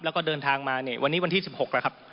แล้วก็เดินทางมาเนี่ยวันนี้วันที่๑๖แล้วครับ